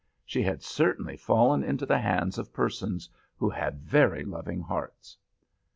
She had certainly fallen into the hands of persons who had very loving hearts.